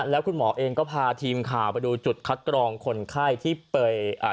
แล้วคุณหมอเองก็พาทีมข่าวไปดูจุดคัดกรองคนไข้ที่ไปอ่า